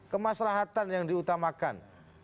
kemasrahatan yang diutamakan